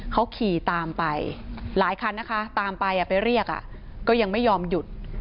เขาขี่ตามไปหลายคันนะคะตามไปไปเรียกก็ยังไม่ยอมหยุด